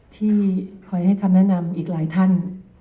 ที่คอยให้คำแนะนำอีกหลายท่าน